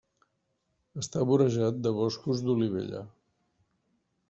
Està vorejat de boscos d'olivella.